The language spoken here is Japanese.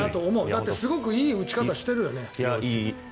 だってすごくいい打ち方してるよね。